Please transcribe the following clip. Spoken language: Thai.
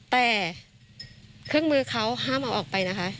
แต่เครื่องมือเขาห้ามเอาออกไปนะคะ